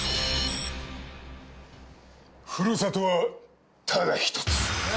ふるさとはただ１つ！